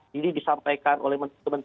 jadi disampaikan oleh menteri pemerintah